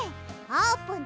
あーぷん！